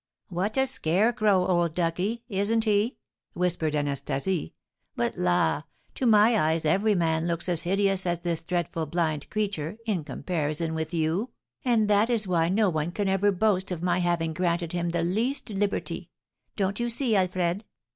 "What a scarecrow, old ducky! Isn't he?" whispered Anastasie; "but, la! to my eyes every man looks as hideous as this dreadful blind creature in comparison with you, and that is why no one can ever boast of my having granted him the least liberty, don't you see, Alfred?"